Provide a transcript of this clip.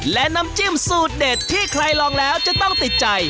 และน้ำจิ้มสูตรเด็ดที่ใครลองแล้วจะต้องติดใจ